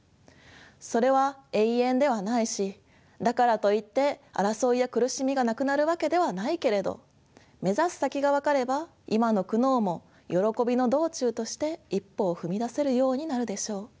それは永遠ではないしだからといって争いや苦しみがなくなるわけではないけれど目指す先が分かれば今の苦悩も「よろこびの道中」として一歩を踏み出せるようになるでしょう。